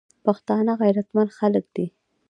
پښتانه غیرتمن خلک دي.